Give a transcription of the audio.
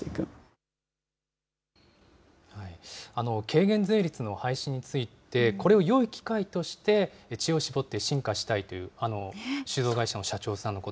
軽減税率の廃止について、これをよい機会として知恵を絞って進化したいという酒造会社の社